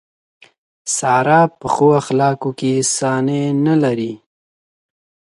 ساره په ښو اخلاقو کې ثاني نه لري.